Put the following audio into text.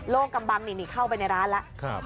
โลกกำบังหนีเข้าไปร้านแล้ว